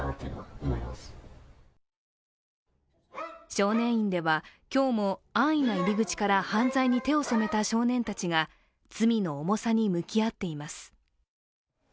少年院では今日も安易な入り口から犯罪に手を染めた少年たちが罪の重さに向き合っています。